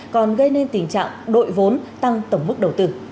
còn gây nên tình trạng đội vốn tăng tổng mức đầu tư